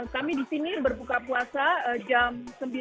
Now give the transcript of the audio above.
kami di sini berbuka puasa jam sembilan dua belas